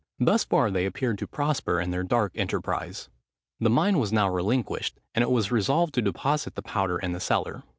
Thus far they appeared to prosper in their dark enterprise. The mine was now relinquished; and it was resolved to deposit the powder in the cellar.